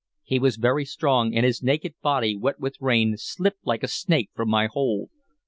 He was very strong, and his naked body, wet with rain, slipped like a snake from my hold.